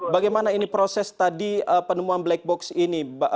bagaimana ini proses tadi penemuan black box ini